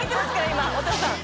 今お父さん。